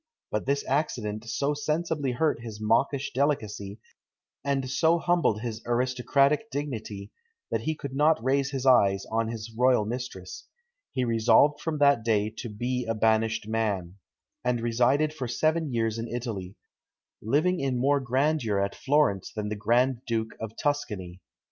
But this accident so sensibly hurt his mawkish delicacy, and so humbled his aristocratic dignity, that he could not raise his eyes on his royal mistress. He resolved from that day to "be a banished man," and resided for seven years in Italy, living in more grandeur at Florence than the Grand Duke of Tuscany.